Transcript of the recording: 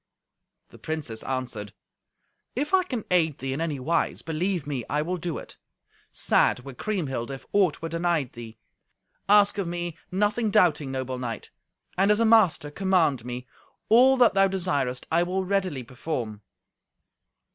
The princess answered, "If I can aid thee in any wise, believe me, I will do it; sad were Kriemhild if aught were denied thee. Ask of me, nothing doubting, noble knight, and, as a master, command me; all that thou desirest I will readily perform."